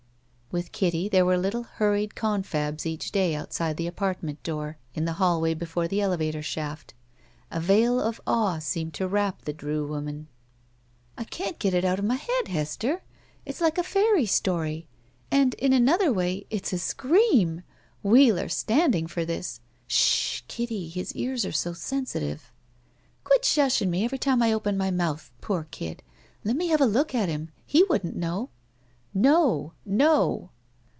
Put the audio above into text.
With Kitty there were little hurried confabs each day outside the apartment door in the hallway before the elevator shaft. A veil of awe seemed to wrap the Drew woman. 96 BACK PAY I can't get it out of my head, Hester. It's like a fairy story, and, in another way, it's a scream — Wheeler standing for this." Sh h, Kitty! His ears are so sensitive." *'Quit shushing me every time I open my mouth. Poor kid! Let me have a look at him. He wouldn't know." "No! No!"